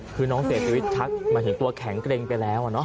คือน้องเสียชีวิตทักหมายถึงตัวแข็งเกร็งไปแล้ว